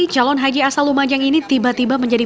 calon haji asalumajang ini tiba tiba menjadi